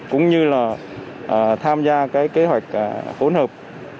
cũng như tham gia kế hoạch phối hợp